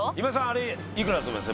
あれいくらだと思います？